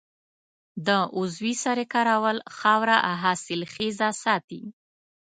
د عضوي سرې کارول خاوره حاصلخیزه ساتي.